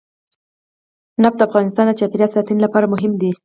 نفت د افغانستان د چاپیریال ساتنې لپاره مهم دي.